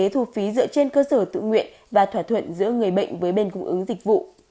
thu phí dựa trên cơ sở tự nguyện và thỏa thuận giữa người bệnh với bên cung ứng dịch vụ